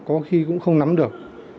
có khi cũng không nắm được